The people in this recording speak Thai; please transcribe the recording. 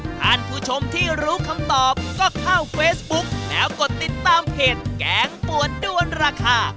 ท่านผู้ชมที่รู้คำตอบก็เข้าเฟซบุ๊กแล้วกดติดตามเพจแกงปวดด้วนราคา